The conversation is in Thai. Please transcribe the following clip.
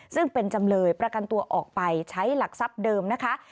ซึ่งเป็นจำเลยประกันตัวออกไปใช้หลักทรัพย์เดิมนะคะ